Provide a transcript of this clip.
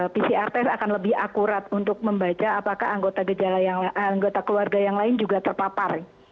pcr test akan lebih akurat untuk membaca apakah anggota keluarga yang lain juga terpapar